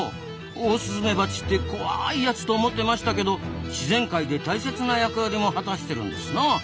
オオスズメバチって怖いやつと思ってましたけど自然界で大切な役割も果たしてるんですな。